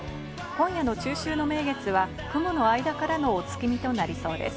今夜の中秋の名月は雲の間からのお月見となりそうです。